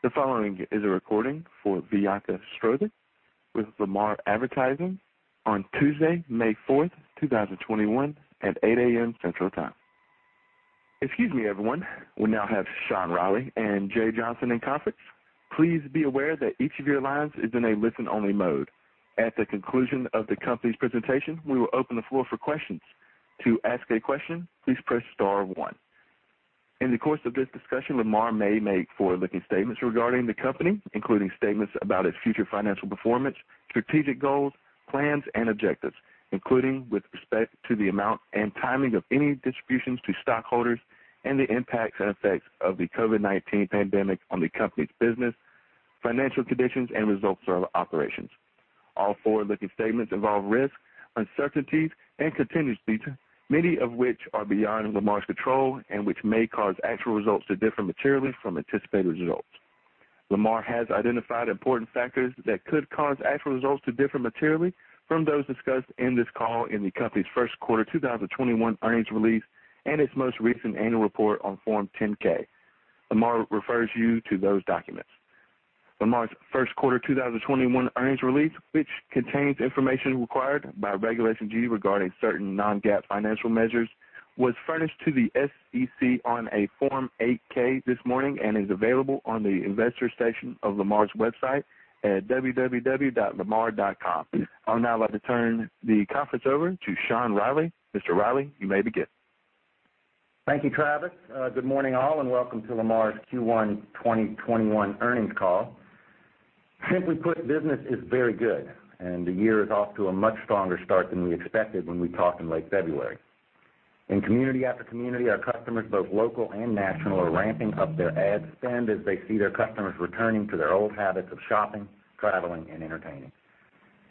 The following is a recording for [Biaka] with Lamar Advertising on Tuesday, May 4th, 2021 at 8:00 A.M. Central Time. Excuse me, everyone. We now have Sean Reilly and Jay Johnson in conference. Please be aware that each of your lines is in a listen-only mode. At the conclusion of the company's presentation, we will open the floor for questions. To ask a question, please press star one. In the course of this discussion, Lamar may make forward-looking statements regarding the company, including statements about its future financial performance, strategic goals, plans and objectives, including with respect to the amount and timing of any distributions to stockholders and the impacts and effects of the COVID-19 pandemic on the company's business, financial conditions and results of operations. All forward-looking statements involve risks, uncertainties, and contingencies, many of which are beyond Lamar's control and which may cause actual results to differ materially from anticipated results. Lamar has identified important factors that could cause actual results to differ materially from those discussed in this call in the company's first quarter 2021 earnings release and its most recent annual report on Form 10-K. Lamar refers you to those documents. Lamar's first quarter 2021 earnings release, which contains information required by Regulation G regarding certain non-GAAP financial measures, was furnished to the SEC on a Form 8-K this morning and is available on the investor section of Lamar's website at www.lamar.com. I'm now about to turn the conference over to Sean Reilly. Mr. Reilly, you may begin. Thank you, Travis. Good morning, all, and welcome to Lamar's Q1 2021 earnings call. Simply put, business is very good, and the year is off to a much stronger start than we expected when we talked in late February. In community after community, our customers, both local and national, are ramping up their ad spend as they see their customers returning to their old habits of shopping, traveling, and entertaining,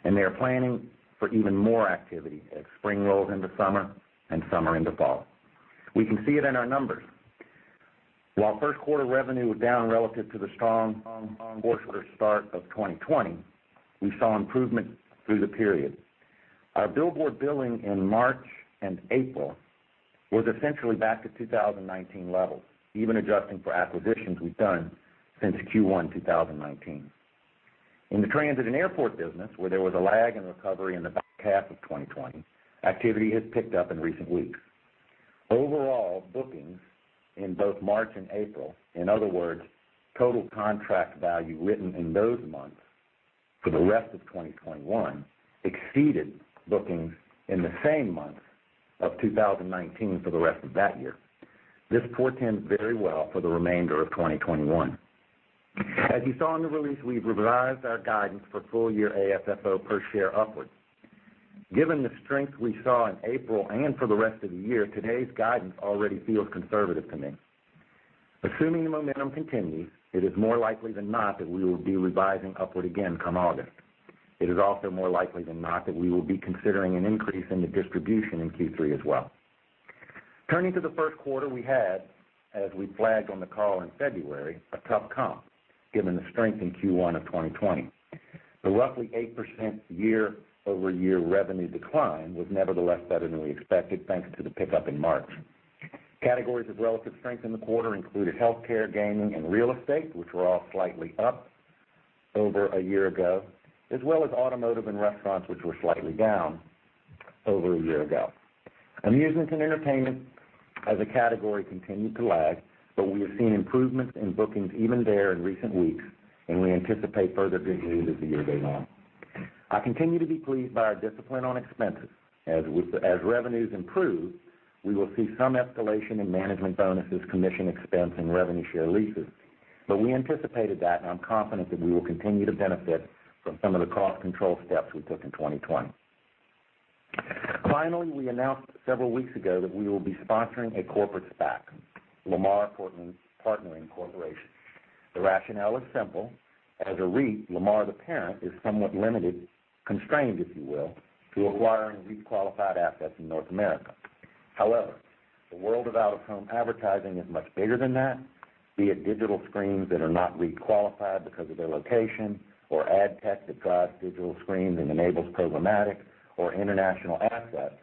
and they are planning for even more activity as spring rolls into summer and summer into fall. We can see it in our numbers. While first quarter revenue was down relative to the strong quarter start of 2020, we saw improvement through the period. Our billboard billing in March and April was essentially back to 2019 levels, even adjusting for acquisitions we've done since Q1 2019. In the transit and airport business, where there was a lag in recovery in the back half of 2020, activity has picked up in recent weeks. Overall, bookings in both March and April, in other words, total contract value written in those months for the rest of 2021, exceeded bookings in the same months of 2019 for the rest of that year. This portends very well for the remainder of 2021. As you saw in the release, we've revised our guidance for full year AFFO per share upwards. Given the strength we saw in April and for the rest of the year, today's guidance already feels conservative to me. Assuming the momentum continues, it is more likely than not that we will be revising upward again come August. It is also more likely than not that we will be considering an increase in the distribution in Q3 as well. Turning to the first quarter, we had, as we flagged on the call in February, a tough comp, given the strength in Q1 of 2020. The roughly 8% year-over-year revenue decline was nevertheless better than we expected, thanks to the pickup in March. Categories of relative strength in the quarter included healthcare, gaming, and real estate, which were all slightly up over a year ago, as well as automotive and restaurants, which were slightly down over a year ago. Amusements and entertainment as a category continued to lag, but we have seen improvements in bookings even there in recent weeks, and we anticipate further gains as the year goes on. I continue to be pleased by our discipline on expenses. As revenues improve, we will see some escalation in management bonuses, commission expense, and revenue share leases. We anticipated that, and I'm confident that we will continue to benefit from some of the cost control steps we took in 2020. Finally, we announced several weeks ago that we will be sponsoring a corporate SPAC, Lamar Partnering Corporation. The rationale is simple. As a REIT, Lamar, the parent, is somewhat limited, constrained, if you will, to acquiring REIT qualified assets in North America. The world of out-of-home advertising is much bigger than that, be it digital screens that are not REIT qualified because of their location or ad tech that drives digital screens and enables programmatic or international assets.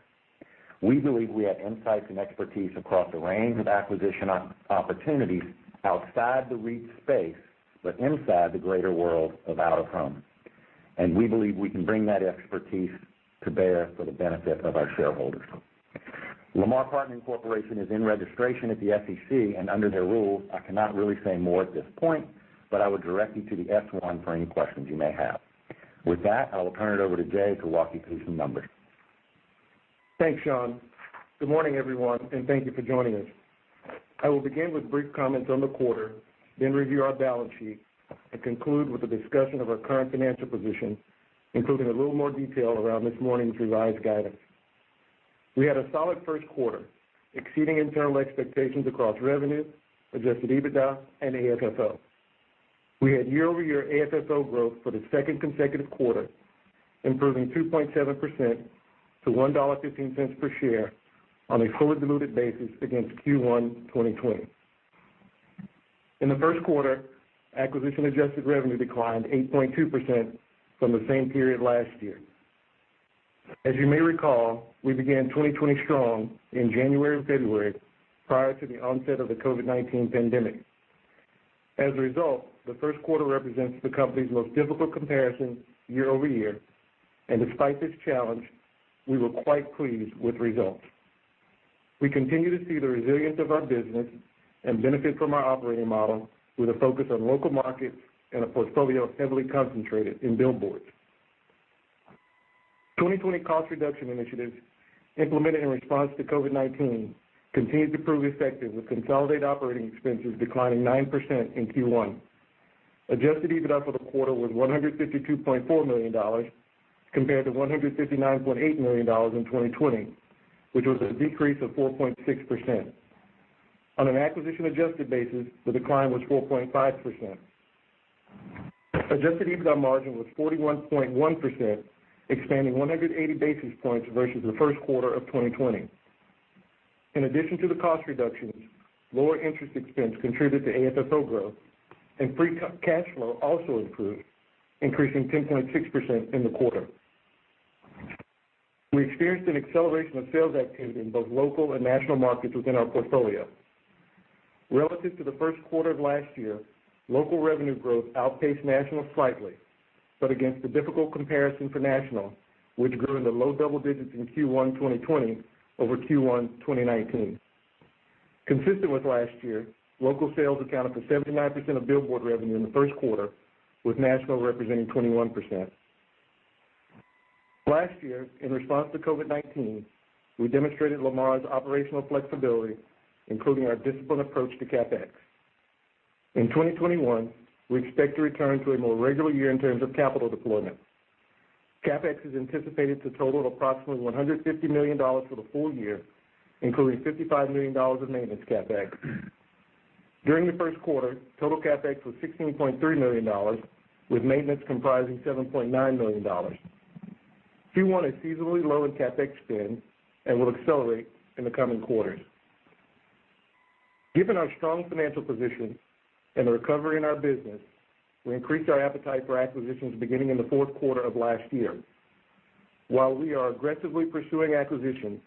We believe we have insights and expertise across a range of acquisition opportunities outside the REIT space but inside the greater world of out-of-home, and we believe we can bring that expertise to bear for the benefit of our shareholders. Lamar Partnering Corporation is in registration at the SEC. Under their rules, I cannot really say more at this point, but I would direct you to the S-1 for any questions you may have. With that, I will turn it over to Jay to walk you through some numbers. Thanks, Sean. Good morning, everyone, and thank you for joining us. I will begin with brief comments on the quarter, then review our balance sheet and conclude with a discussion of our current financial position, including a little more detail around this morning's revised guidance. We had a solid first quarter, exceeding internal expectations across revenue, adjusted EBITDA, and AFFO. We had year-over-year AFFO growth for the second consecutive quarter, improving 2.7% to $1.15 per share on a fully diluted basis against Q1 2020. In the first quarter, acquisition adjusted revenue declined 8.2% from the same period last year. As you may recall, we began 2020 strong in January and February, prior to the onset of the COVID-19 pandemic. As a result, the first quarter represents the company's most difficult comparison year-over-year, and despite this challenge, we were quite pleased with results. We continue to see the resilience of our business and benefit from our operating model with a focus on local markets and a portfolio heavily concentrated in billboards. 2020 cost reduction initiatives implemented in response to COVID-19 continued to prove effective with consolidated operating expenses declining 9% in Q1. Adjusted EBITDA for the quarter was $152.4 million compared to $159.8 million in 2020, which was a decrease of 4.6%. On an acquisition adjusted basis, the decline was 4.5%. Adjusted EBITDA margin was 41.1%, expanding 180 basis points versus the first quarter of 2020. In addition to the cost reductions, lower interest expense contributed to AFFO growth, and free cash flow also improved, increasing 10.6% in the quarter. We experienced an acceleration of sales activity in both local and national markets within our portfolio. Relative to the first quarter of last year, local revenue growth outpaced national slightly, but against a difficult comparison for national, which grew in the low double digits in Q1 2020 over Q1 2019. Consistent with last year, local sales accounted for 79% of billboard revenue in the first quarter, with national representing 21%. Last year, in response to COVID-19, we demonstrated Lamar's operational flexibility, including our disciplined approach to CapEx. In 2021, we expect to return to a more regular year in terms of capital deployment. CapEx is anticipated to total approximately $150 million for the full year, including $55 million of maintenance CapEx. During the first quarter, total CapEx was $16.3 million, with maintenance comprising $7.9 million. Q1 is seasonally low in CapEx spend and will accelerate in the coming quarters. Given our strong financial position and the recovery in our business, we increased our appetite for acquisitions beginning in the fourth quarter of last year. While we are aggressively pursuing acquisitions,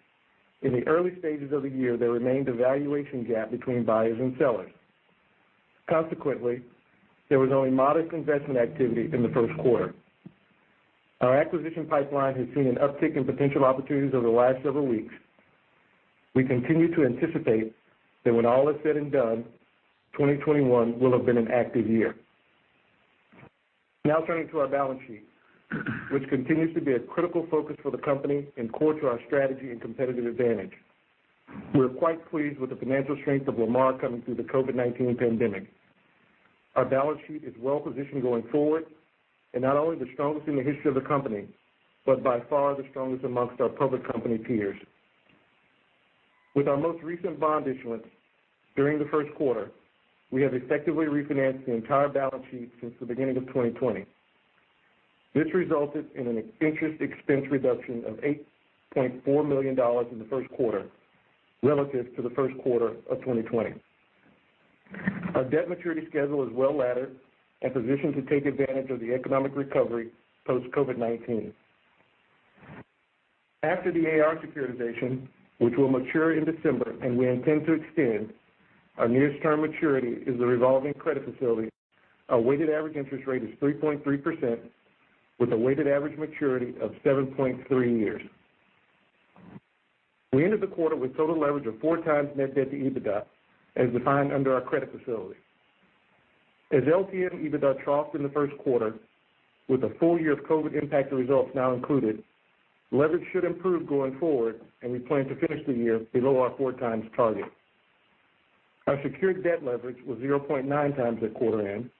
in the early stages of the year, there remained a valuation gap between buyers and sellers. Consequently, there was only modest investment activity in the first quarter. Our acquisition pipeline has seen an uptick in potential opportunities over the last several weeks. We continue to anticipate that when all is said and done, 2021 will have been an active year. Now turning to our balance sheet, which continues to be a critical focus for the company and core to our strategy and competitive advantage. We're quite pleased with the financial strength of Lamar coming through the COVID-19 pandemic. Our balance sheet is well positioned going forward and not only the strongest in the history of the company, but by far the strongest amongst our public company peers. With our most recent bond issuance during the first quarter, we have effectively refinanced the entire balance sheet since the beginning of 2020. This resulted in an interest expense reduction of $8.4 million in the first quarter, relative to the first quarter of 2020. Our debt maturity schedule is well-laddered and positioned to take advantage of the economic recovery post-COVID-19. After the AR securitization, which will mature in December, and we intend to extend, our nearest term maturity is the revolving credit facility. Our weighted average interest rate is 3.3% with a weighted average maturity of 7.3 years. We ended the quarter with total leverage of 4x net debt to EBITDA, as defined under our credit facility. As LTM EBITDA troughed in the first quarter, with a full year of COVID impact to results now included, leverage should improve going forward, and we plan to finish the year below our 4x target. Our secured debt leverage was 0.9x at quarter end,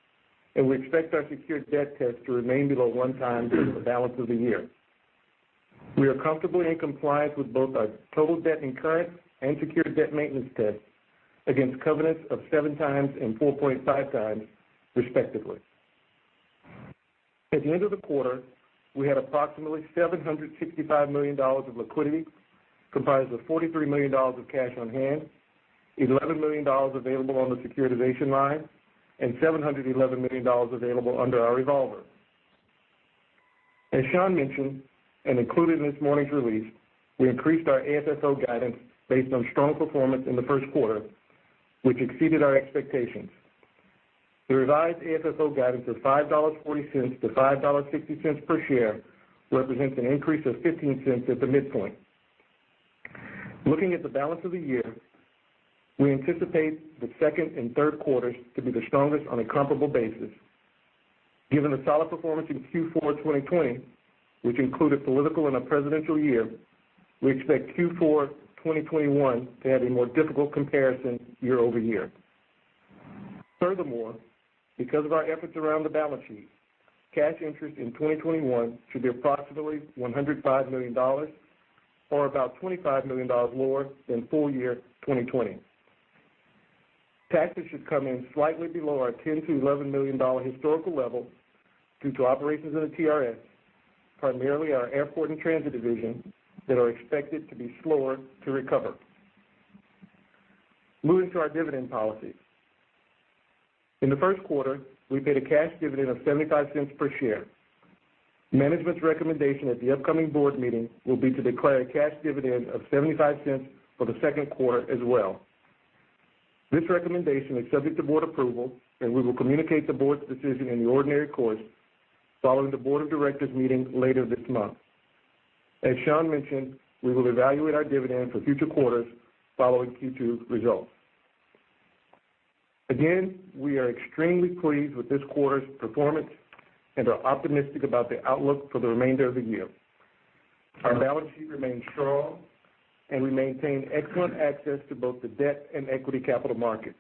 and we expect our secured debt test to remain below 1x for the balance of the year. We are comfortably in compliance with both our total debt incurred and secured debt maintenance test against covenants of 7x and 4.5x, respectively. At the end of the quarter, we had approximately $765 million of liquidity, comprised of $43 million of cash on hand, $11 million available on the securitization line, and $711 million available under our revolver. As Sean mentioned, and included in this morning's release, we increased our AFFO guidance based on strong performance in the first quarter, which exceeded our expectations. The revised AFFO guidance of $5.40-$5.60 per share represents an increase of $0.15 at the midpoint. Looking at the balance of the year, we anticipate the second and third quarters to be the strongest on a comparable basis. Given the solid performance in Q4 2020, which included political and a presidential year, we expect Q4 2021 to have a more difficult comparison year-over-year. Furthermore, because of our efforts around the balance sheet, cash interest in 2021 should be approximately $105 million or about $25 million lower than full year 2020. Taxes should come in slightly below our $10-$11 million historical level due to operations in the TRS, primarily our airport and transit division, that are expected to be slower to recover. Moving to our dividend policy. In the first quarter, we paid a cash dividend of $0.75 per share. Management's recommendation at the upcoming board meeting will be to declare a cash dividend of $0.75 for the second quarter as well. This recommendation is subject to board approval, and we will communicate the board's decision in the ordinary course following the board of directors meeting later this month. As Sean mentioned, we will evaluate our dividend for future quarters following Q2 results. Again, we are extremely pleased with this quarter's performance and are optimistic about the outlook for the remainder of the year. Our balance sheet remains strong, and we maintain excellent access to both the debt and equity capital markets.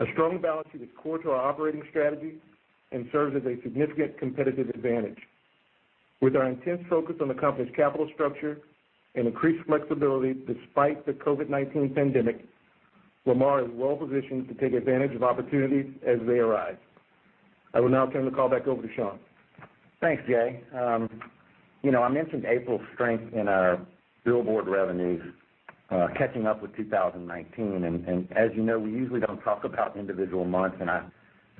A strong balance sheet is core to our operating strategy and serves as a significant competitive advantage. With our intense focus on the company's capital structure and increased flexibility despite the COVID-19 pandemic, Lamar is well-positioned to take advantage of opportunities as they arise. I will now turn the call back over to Sean. Thanks, Jay. I mentioned April's strength in our billboard revenues catching up with 2019. As you know, we usually don't talk about individual months, I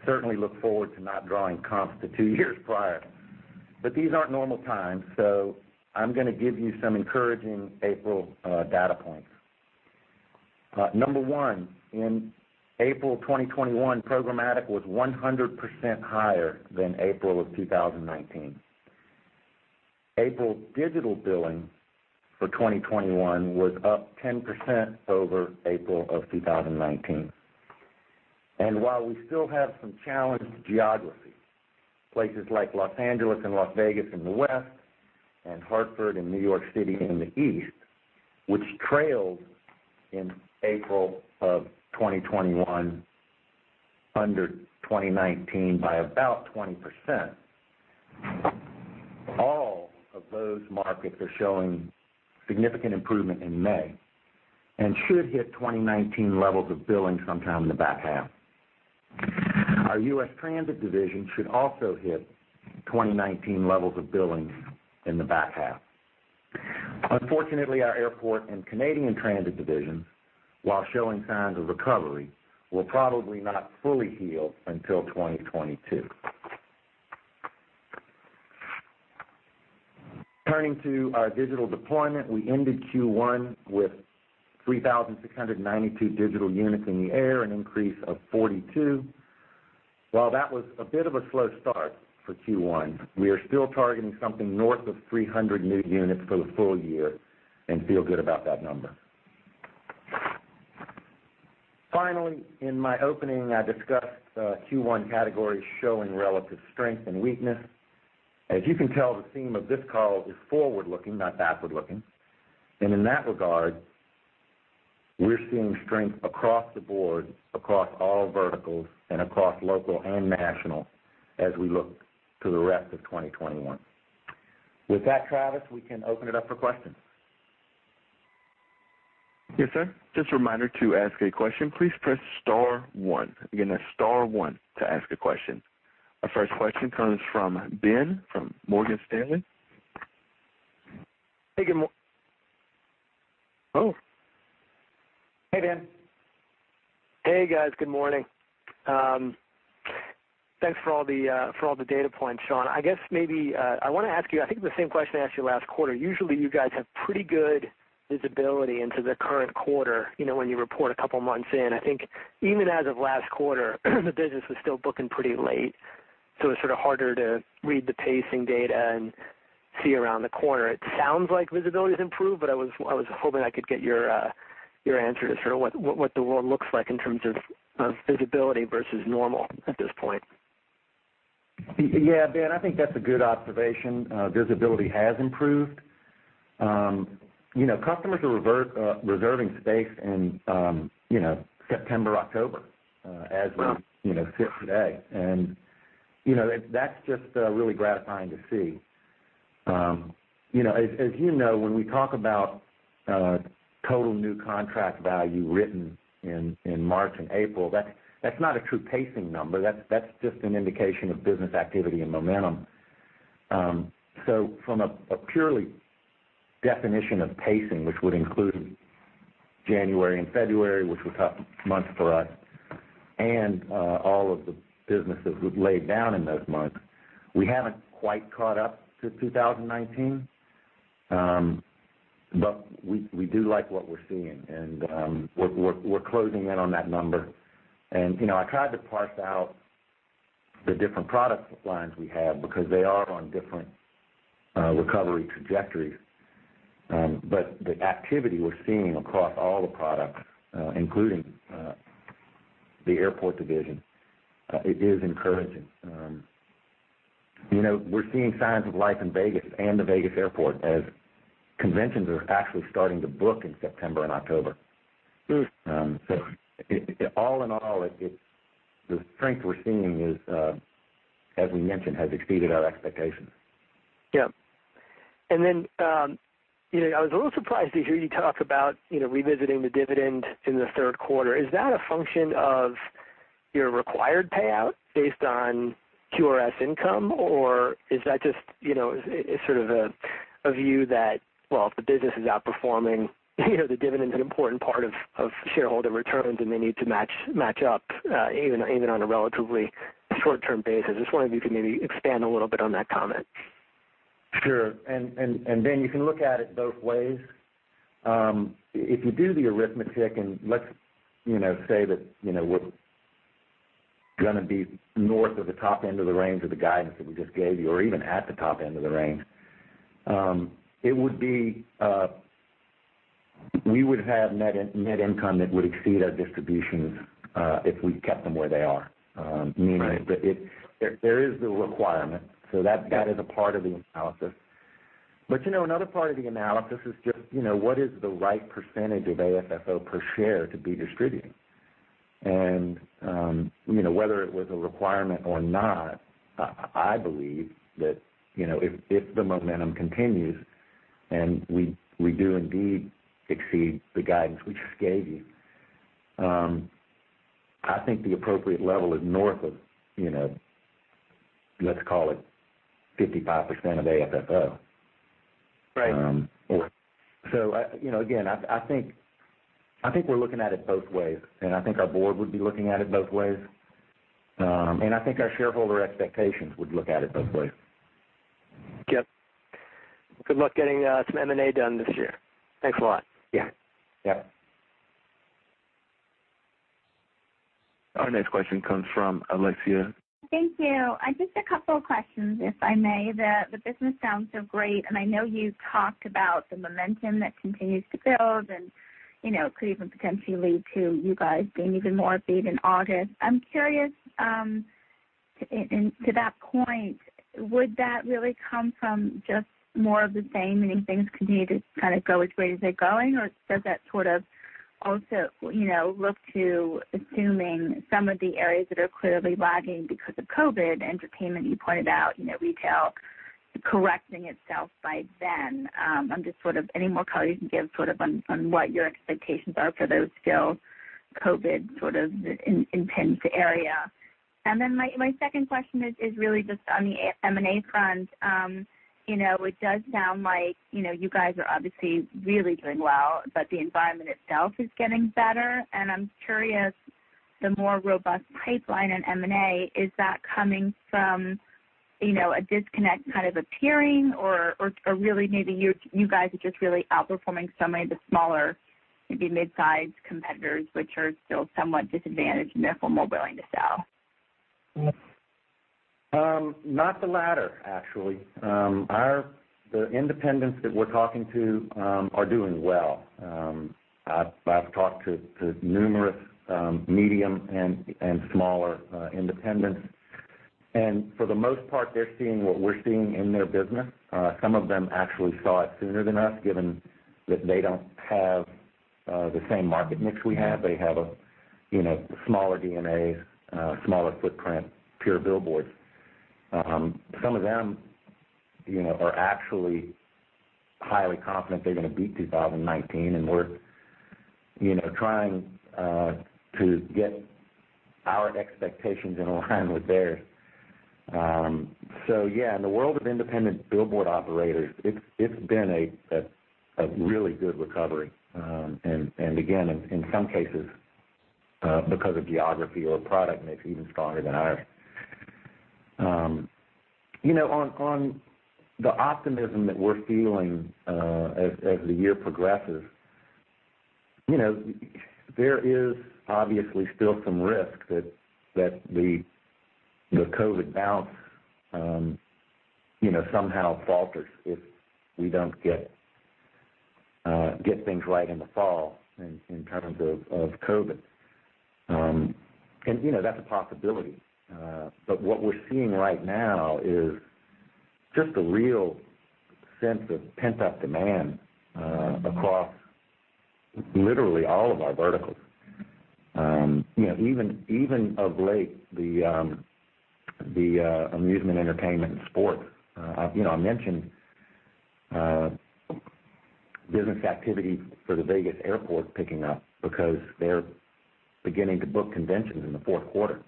certainly look forward to not drawing comps to two years prior. These aren't normal times. I'm going to give you some encouraging April data points. Number one, in April 2021, programmatic was 100% higher than April of 2019. April digital billing for 2021 was up 10% over April of 2019. While we still have some challenged geographies, places like Los Angeles and Las Vegas in the West and Hartford and New York City in the East, which trailed in April of 2021 under 2019 by about 20%, all of those markets are showing significant improvement in May and should hit 2019 levels of billing sometime in the back half. Our U.S. transit division should also hit 2019 levels of billing in the back half. Unfortunately, our airport and Canadian transit divisions, while showing signs of recovery, will probably not fully heal until 2022. Turning to our digital deployment, we ended Q1 with 3,692 digital units in the air, an increase of 42. While that was a bit of a slow start for Q1, we are still targeting something north of 300 new units for the full year and feel good about that number. Finally, in my opening, I discussed Q1 categories showing relative strength and weakness. As you can tell, the theme of this call is forward-looking, not backward-looking. In that regard, we're seeing strength across the board, across all verticals, and across local and national as we look to the rest of 2021. With that, Travis, we can open it up for questions. Yes, sir. Just a reminder, to ask a question, please press star one. Again, that's star one to ask a question. Our first question comes from Ben from Morgan Stanley. Hey, Oh. Hey, Ben. Hey, guys. Good morning. Thanks for all the data points, Sean. I guess maybe I want to ask you, I think, the same question I asked you last quarter. Usually, you guys have pretty good visibility into the current quarter when you report a couple months in. I think even as of last quarter, the business was still booking pretty late, so it's sort of harder to read the pacing data and see around the corner. It sounds like visibility's improved, but I was hoping I could get your answer to sort of what the world looks like in terms of visibility versus normal at this point? Yeah, Ben, I think that's a good observation. Visibility has improved. Customers are reserving space in September, October. Wow. Today. That's just really gratifying to see. As you know, when we talk about total new contract value written in March and April, that's not a true pacing number. That's just an indication of business activity and momentum. From a purely definition of pacing, which would include January and February, which were tough months for us, and all of the business that we've laid down in those months, we haven't quite caught up to 2019. We do like what we're seeing, and we're closing in on that number. I tried to parse out the different product lines we have because they are on different recovery trajectories. The activity we're seeing across all the products including the airport division, it is encouraging. We're seeing signs of life in Vegas and the Vegas airport as conventions are actually starting to book in September and October. All in all, the strength we're seeing, as we mentioned, has exceeded our expectations. Yep. I was a little surprised to hear you talk about revisiting the dividend in the third quarter. Is that a function of your required payout based on TRS income, or is that just sort of a view that, well, if the business is outperforming, the dividend's an important part of shareholder returns, and they need to match up even on a relatively short-term basis? I just wonder if you could maybe expand a little bit on that comment? Sure. Ben, you can look at it both ways. If you do the arithmetic, and let's say that we're going to be north of the top end of the range of the guidance that we just gave you, or even at the top end of the range. We would have net income that would exceed our distributions, if we kept them where they are. Right. Meaning that there is the requirement. That is a part of the analysis. Another part of the analysis is just, what is the right percentage of AFFO per share to be distributing? Whether it was a requirement or not, I believe that if the momentum continues and we do indeed exceed the guidance we just gave you, I think the appropriate level is north of, let's call it 55% of AFFO. Right. Again, I think we're looking at it both ways, and I think our board would be looking at it both ways. I think our shareholder expectations would look at it both ways. Yep. Good luck getting some M&A done this year. Thanks a lot. Yeah. Our next question comes from Alexia. Thank you. Just a couple of questions, if I may. The business sounds so great. I know you've talked about the momentum that continues to build and could even potentially lead to you guys being even more upbeat in August. I'm curious, to that point, would that really come from just more of the same, meaning things continue to kind of go as great as they're going, or does that sort of also look to assuming some of the areas that are clearly lagging because of COVID, entertainment, you pointed out, retail correcting itself by then? Just any more color you can give on what your expectations are for those still COVID-sort of impended area. Then my second question is really just on the M&A front. It does sound like you guys are obviously really doing well. The environment itself is getting better. I'm curious, the more robust pipeline in M&A, is that coming from a disconnect kind of appearing, or really maybe you guys are just really outperforming so many of the smaller, maybe mid-size competitors, which are still somewhat disadvantaged and therefore more willing to sell? Not the latter, actually. The independents that we're talking to are doing well. I've talked to numerous medium and smaller independents, and for the most part, they're seeing what we're seeing in their business. Some of them actually saw it sooner than us, given that they don't have the same market mix we have. They have a smaller DMA, smaller footprint, pure billboard. Some of them are actually highly confident they're going to beat 2019, and we're trying to get our expectations in align with theirs. Yeah, in the world of independent billboard operators, it's been a really good recovery. Again, in some cases, because of geography or product mix, even stronger than ours. On the optimism that we're feeling as the year progresses, there is obviously still some risk that the COVID bounce somehow falters if we don't get things right in the fall in terms of COVID. That's a possibility. What we're seeing right now is just a real sense of pent-up demand across literally all of our verticals. Even of late, the amusement, entertainment, and sport. I mentioned business activity for the Vegas airport picking up because they're beginning to book conventions in the fourth quarter.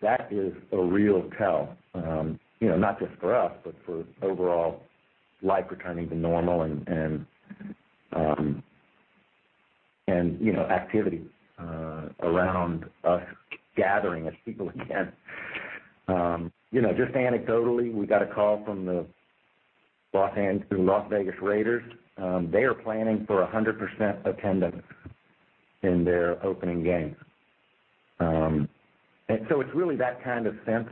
That is a real tell, not just for us, but for overall life returning to normal and activity around us gathering as people again. Just anecdotally, we got a call from the Las Vegas Raiders. They are planning for 100% attendance in their opening game. It's really that kind of sense,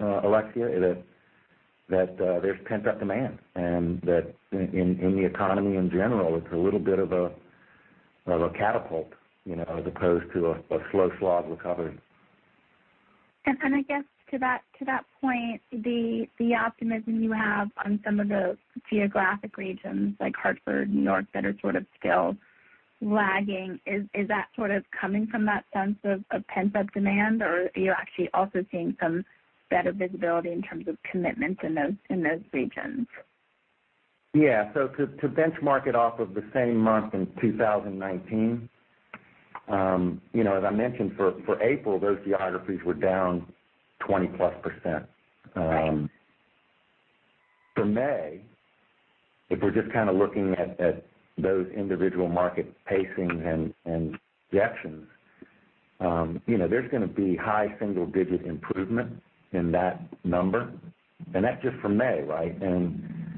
Alexia, that there's pent-up demand, and that in the economy in general, it's a little bit of a catapult, as opposed to a slow slog recovery. I guess to that point, the optimism you have on some of the geographic regions, like Hartford, New York, that are sort of still lagging, is that sort of coming from that sense of pent-up demand, or are you actually also seeing some better visibility in terms of commitments in those regions? To benchmark it off of the same month in 2019, as I mentioned, for April, those geographies were down 20%+. For May, if we're just kind of looking at those individual market pacings and reactions, there's going to be high single-digit improvement in that number, and that's just for May.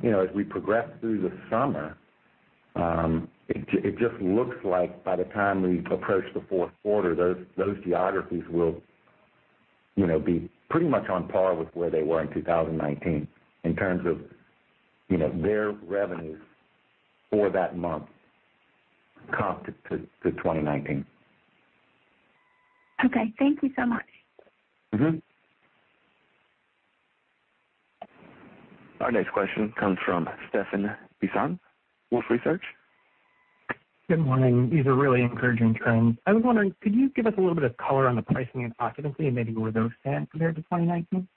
As we progress through the summer, it just looks like by the time we approach the fourth quarter, those geographies will be pretty much on par with where they were in 2019 in terms of their revenues for that month comped to 2019. Okay. Thank you so much. Our next question comes from Stephan Bisson, Wolfe Research. Good morning. These are really encouraging trends. I was wondering, could you give us a little bit of color on the pricing and occupancy, and maybe where those stand compared to 2019?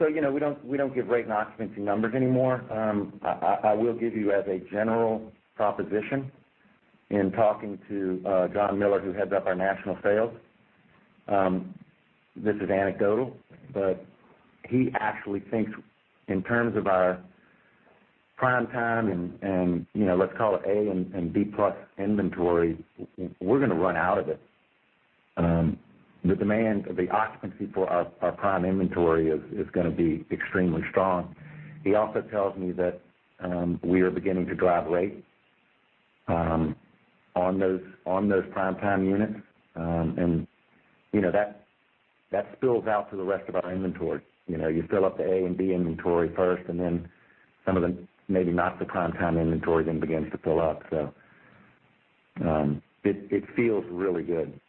We don't give rate and occupancy numbers anymore. I will give you as a general proposition in talking to John Miller, who heads up our national sales. This is anecdotal, but he actually thinks in terms of our primetime and, let's call it A and B-plus inventory, we're going to run out of it. The demand, the occupancy for our prime inventory is going to be extremely strong. He also tells me that we are beginning to drive rate on those primetime units. That spills out to the rest of our inventory. You fill up the A and B inventory first, and then some of the maybe not so primetime inventory then begins to fill up. It feels really good.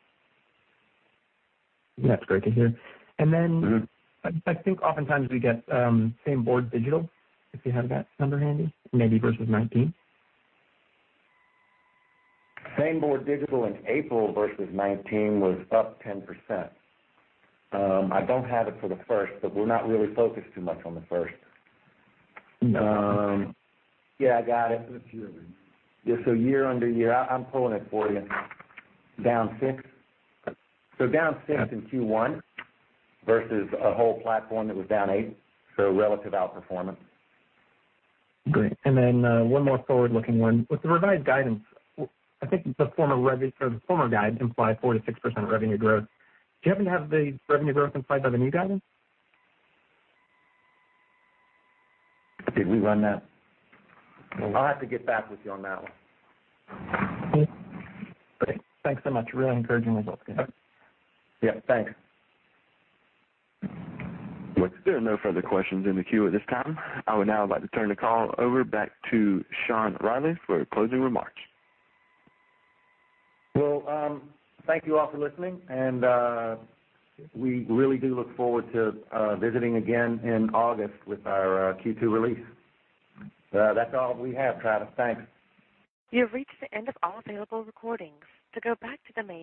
That's great to hear. I think oftentimes we get same board digital, if you have that number handy, maybe versus 2019? Same board digital in April versus 2019 was up 10%. I don't have it for the first, we're not really focused too much on the first. Yeah, I got it. It's year-over-year. Yeah, year-on-year, I'm pulling it for you. Down 6%. Down 6% in Q1 versus a whole platform that was down 8%, relative outperformance. Great. One more forward-looking one. With the revised guidance, I think the former guide implied 4%-6% revenue growth. Do you happen to have the revenue growth implied by the new guidance? Did we run that? I'll have to get back with you on that one. Okay. Great. Thanks so much. Really encouraging results guys. Yeah. Thanks. There are no further questions in the queue at this time. I would now like to turn the call over back to Sean Reilly for closing remarks. Well, thank you all for listening, and we really do look forward to visiting again in August with our Q2 release. That's all we have, Travis. Thanks. You've reached the end of all available recordings. To go back to the main.